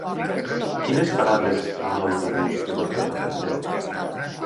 Quines parades fa l'autobús que va a Tavertet?